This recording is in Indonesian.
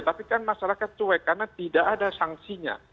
tapi kan masyarakat cuek karena tidak ada sanksinya